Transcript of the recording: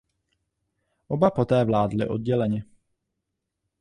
Oba po té vládli odděleně.